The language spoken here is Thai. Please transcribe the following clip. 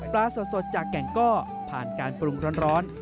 สดจากแก่งก้อผ่านการปรุงร้อน